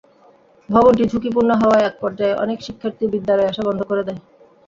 ভবনটি ঝুঁকিপূর্ণ হওয়ায় একপর্যায়ে অনেক শিক্ষার্থী বিদ্যালয়ে আসা বন্ধ করে দেয়।